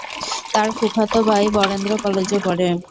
তার ফুফাতো ভাই বরেন্দ্র কলেজে পড়ে।